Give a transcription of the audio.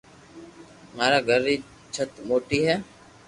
مارآ گھر ري چت موتي ھي